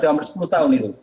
hampir sepuluh tahun itu